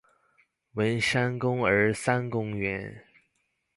文山公兒三公園